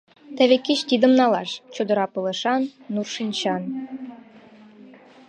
Теве кеч тидым налаш: «Чодыра — пылышан, нур — шинчан».